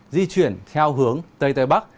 di chuyển theo hướng tây tây bắc